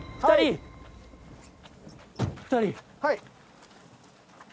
はい。